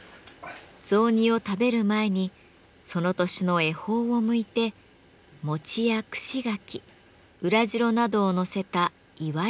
雑煮を食べる前にその年の恵方を向いて餅や串柿裏白などを載せた祝い膳を神にささげます。